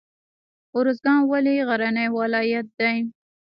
ارزګان ولې غرنی ولایت دی؟